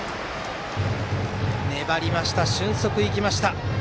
粘りました、俊足が生きました。